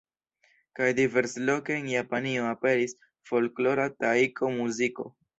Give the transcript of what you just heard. Kaj diversloke en Japanio aperis folklora Taiko-muziko.